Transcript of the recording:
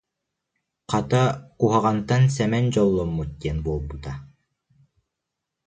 Хата, куһаҕантан Сэмэн дьолломмут диэн буолбута